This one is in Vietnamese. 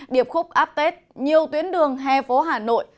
điệp khúc áp tết nhiều tuyến đường hè phố hà nội